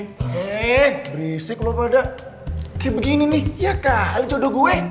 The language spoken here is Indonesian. hei berisik loh pada kayak begini nih ya kali jodoh gue